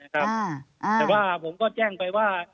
แต่ว่าผมก็แจ้งไปว่า